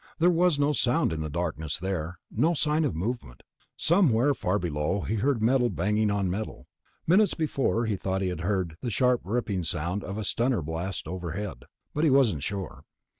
There was no sound in the darkness there, no sign of movement. Somewhere far below he heard metal banging on metal; minutes before he thought he had heard the sharp ripping sound of a stunner blast overhead, but he wasn't sure.